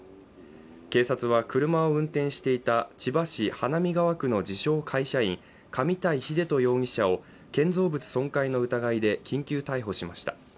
警察は車を運転していた千葉市花見川区の自称・会社員、上平秀人容疑者を建造物損壊の疑いで緊急逮捕しました。